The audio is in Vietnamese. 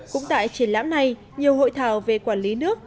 cũng tại triển lãm này nhiều hội thảo về quản lý nước